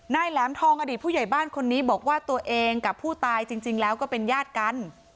แหลมทองอดีตผู้ใหญ่บ้านคนนี้บอกว่าตัวเองกับผู้ตายจริงแล้วก็เป็นญาติกัน